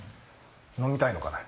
飲みたいのかね？